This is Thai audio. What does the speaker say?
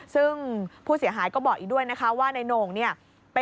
ซึ่งผู้เสียหายก็บอกอีกด้วยนะคะว่านายโหน่งเนี่ย